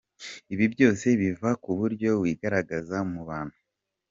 Ibi byose biva ku buryo wigaragaza mu bantu.